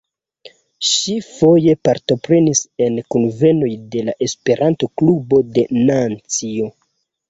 Ŝi foje partoprenis en kunvenoj de la Esperanto-Klubo de Nancio.